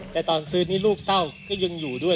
แต่ตอนซื้อนี่ลูกเต้าก็ยังอยู่ด้วย